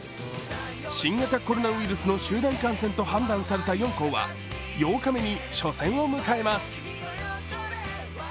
新型コロナウイルスの集団感染と判断された４校は８日目に初戦を迎えます。